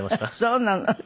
そうなの？